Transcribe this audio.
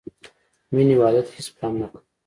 مینې واده ته هېڅ پام نه کاوه